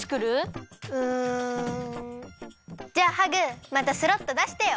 うんじゃあハグまたスロットだしてよ！